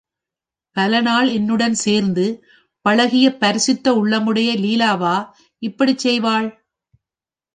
பல நாள் என்னுடன் சேர்ந்து பழகிய பரிசுத்த உள்ளமுடைய லீலாவா இப்படிச் செய்வாள்?